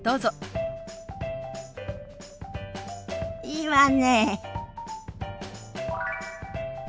いいわね。